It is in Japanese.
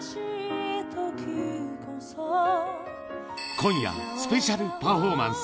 今夜、スペシャルパフォーマンス。